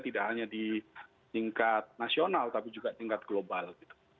tidak hanya di tingkat nasional tapi juga tingkat global